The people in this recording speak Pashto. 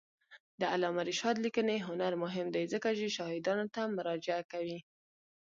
د علامه رشاد لیکنی هنر مهم دی ځکه چې شاهدانو ته مراجعه کوي.